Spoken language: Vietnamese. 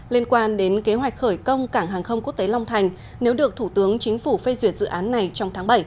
liên quan đến kế hoạch khởi công cảng hàng không quốc tế long thành nếu được thủ tướng chính phủ phê duyệt dự án này trong tháng bảy